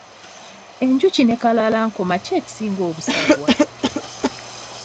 Enjuki ne kalalankoma ki ekisinga obusagwa?